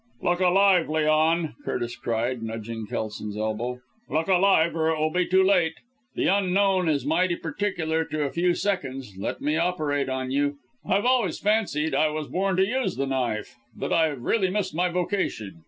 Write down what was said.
"Look alive, Leon!" Curtis cried, nudging Kelson's elbow. "Look alive or it will be too late. The Unknown is mighty particular to a few seconds. Let me operate on you. I've always fancied I was born to use the knife that I've really missed my vocation.